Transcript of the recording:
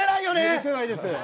許せないです。